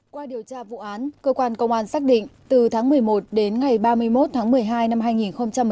qua điều tra vụ án cơ quan công an xác định từ tháng một mươi một đến ngày ba mươi một tháng một mươi hai năm hai nghìn một mươi chín